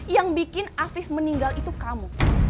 yang bikin afif meninggal itu kamu